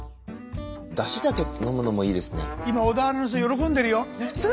だしだけ飲むのもいいですね。